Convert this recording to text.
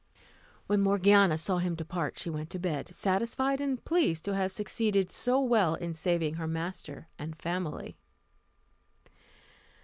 When Morgiana saw him depart, she went to bed, satisfied and pleased to have succeeded so well in saving her master and family.